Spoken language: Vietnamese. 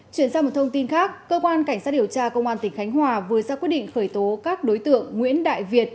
chuyển sang một thông tin khác cơ quan cảnh sát điều tra công an tỉnh khánh hòa vừa ra quyết định khởi tố các đối tượng nguyễn đại việt